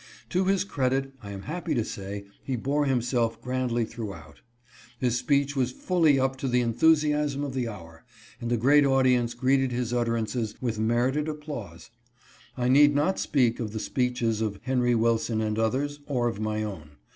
To his credit, I am happy to say he bore himself grandly throughout. His speech was fully up to the enthusiasm of the hour, and the great audience greeted his utterances with merited applause. I need not speak of the speeches of Henry Wilson and others, or of my own.